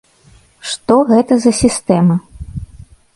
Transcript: Што гэта за сістэма?